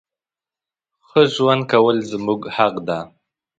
ښه ژوند کول زموږ حق ده.